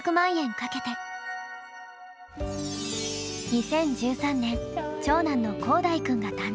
２０１３年長男の光大くんが誕生。